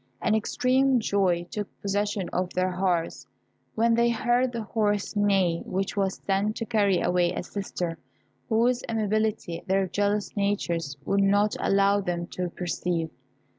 An extreme joy took possession of their hearts when they heard the horse neigh which was sent to carry away a sister whose amiability their jealous natures would not allow them to perceive.